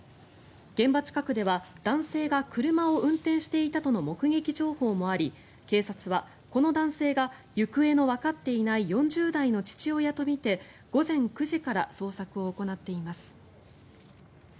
現場近くでは男性が車を運転していたとの目撃情報もあり警察は、この男性が行方のわかっていない４０代の父親とみて午前９時から捜索を行っています。